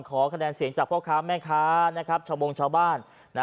คะแนนเสียงจากพ่อค้าแม่ค้าชาวบงชาวบ้าน